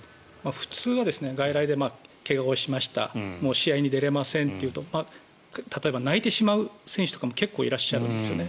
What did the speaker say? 普通は外来で怪我をしましたもう試合に出られませんというと例えば泣いてしまう選手とかも結構いらっしゃるんですよね。